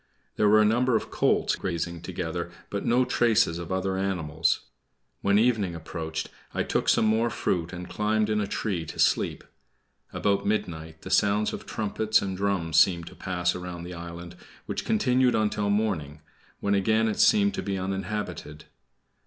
There were a number of colts grazing together, but no traces of other animals. When evening approached I took some more fruit and climbed in a tree to sleep. About midnight the sound of trumpets and drums seemed to pass around the island, which continued until morning, when again it seemed to be uninhabited.